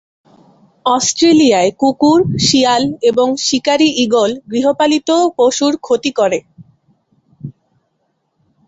অস্ট্রেলিয়ায় কুকুর, শিয়াল এবং শিকারি ঈগল গৃহপালিত পশুর ক্ষতি করে।